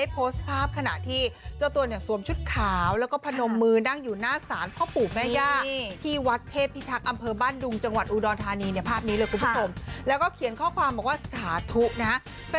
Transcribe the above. ภาพนี้เลยครับคุณผู้ชมแล้วก็เขียนข้อความบอกว่าสาธุนะฮะ